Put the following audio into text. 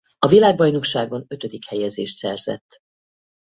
A világbajnokságon ötödik helyezést szerzett.